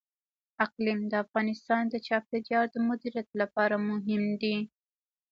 اقلیم د افغانستان د چاپیریال د مدیریت لپاره مهم دي.